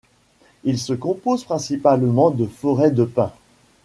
Il se compose principalement de forêts de pins.